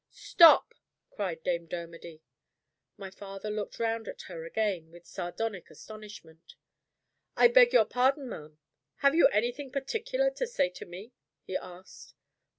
"Stop!" cried Dame Dermody. My father looked round at her again with sardonic astonishment. "I beg your pardon, ma'am have you anything particular to say to me?" he asked.